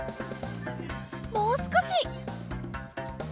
もうすこし！